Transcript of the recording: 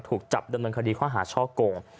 ถูกจับดำเนินคดีข้อหาช่อโกง